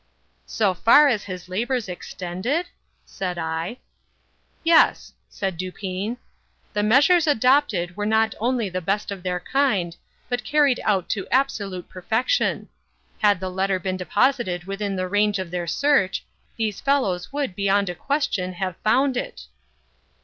"So far as his labors extended?" said I. "Yes," said Dupin. "The measures adopted were not only the best of their kind, but carried out to absolute perfection. Had the letter been deposited within the range of their search, these fellows would, beyond a question, have found it."